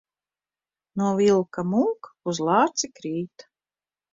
No vilka mūk, uz lāci krīt.